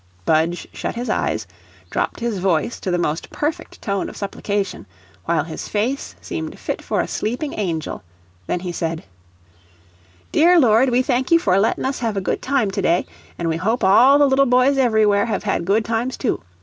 Budge shut his eyes, dropped his voice to the most perfect tone of supplication, while his face seemed fit for a sleeping angel, then he said: "Dear Lord, we thank you for lettin' us have a good time to day, an' we hope all the little boys everywhere have had good times too.